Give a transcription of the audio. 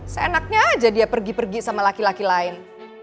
seenaknya aja dia pergi pergi sama laki laki lain